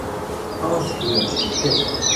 Karlsruhe, Städt.